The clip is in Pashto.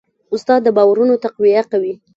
استاد د باورونو تقویه کوي.